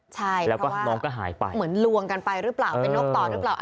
ใช่เพราะว่าเหมือนลวงกันไปหรือเปล่าเป็นนกตอนหรือเปล่าแล้วก็น้องก็หายไป